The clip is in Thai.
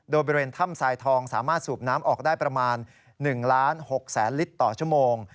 โดยบริเวณถ้ำทรายทองสามารถสูบน้ำออกได้ประมาณ๑ล้าน๖แสนลิตรต่อชั่วโมง